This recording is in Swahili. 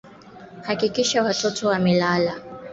kiazi lishe kwa siku mtoto humpa vitamin A inayotakiwa kwa siku